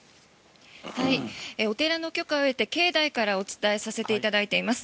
お寺の許可を得て境内からお伝えさせていただいています。